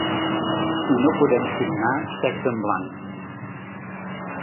I no podem signar xecs en blanc.